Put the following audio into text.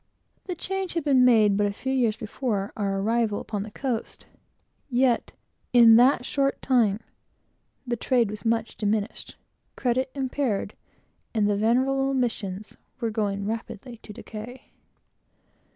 The change had been made but a few years before our arrival upon the coast, yet, in that short time, the trade was much diminished, credit impaired, and the venerable missions going rapidly to decay.